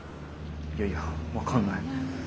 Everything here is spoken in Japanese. いやいや分かんない。